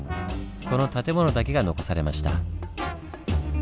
この建物だけが残されました。